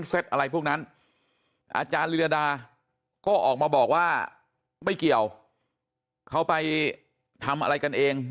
เซ็ตอะไรพวกนั้นอาจารย์ลีลาดาก็ออกมาบอกว่าไม่เกี่ยวเขาไปทำอะไรกันเอง